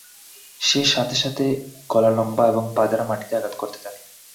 সে সাথে সাথে গলা লম্বা এবং পা দ্বারা মাটিতে আঘাত করতে থাকে।